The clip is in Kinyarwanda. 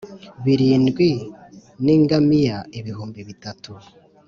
birindwi n’ingamiya ibihumbi bitatu